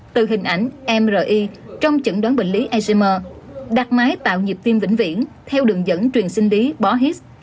từ hình ảnh mri trong chẩn đoán bệnh lý ecm đặt máy tạo nhịp tim vĩnh viễn theo đường dẫn truyền sinh lý borhis